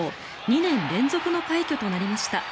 ２年連続の快挙となりました。